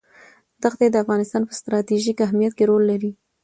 دښتې د افغانستان په ستراتیژیک اهمیت کې رول لري.